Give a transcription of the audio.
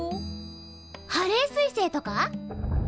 ハレー彗星とか！